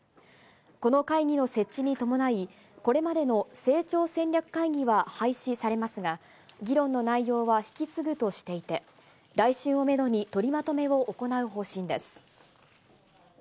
この会議の設置に伴い、これまでの成長戦略会議は廃止されますが、議論の内容は引き継ぐとしていて、来春をメドに取りまとめを行う方針です。